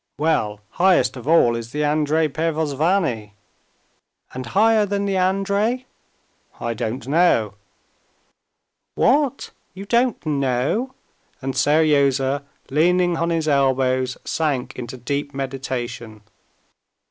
"Well, highest of all is the Andrey Pervozvanny." "And higher than the Andrey?" "I don't know." "What, you don't know?" and Seryozha, leaning on his elbows, sank into deep meditation.